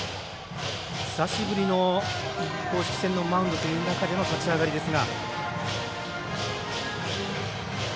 久しぶりの公式戦のマウンドという中での立ち上がりですが。